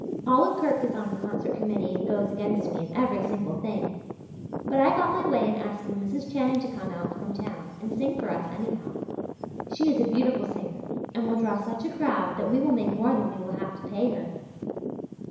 Olive Kirk is on the concert committee and goes against me in every single thing. But I got my way in asking Mrs. Channing to come out from town and sing for us, anyhow. She is a beautiful singer and will draw such a crowd that we will make more than we will have to pay her.